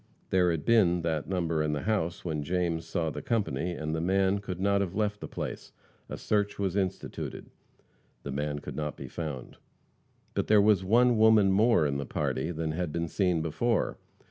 There had been that number in the house when James saw the company, and the man could not have left the place. A search was instituted. The man could not be found. But there was one woman more in the party than had been seen before.